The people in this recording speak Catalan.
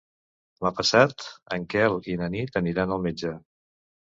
Demà passat en Quel i na Nit aniran al metge.